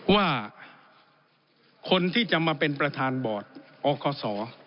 ว่าคนที่จะมาเป็นประธานบอร์ดอกศ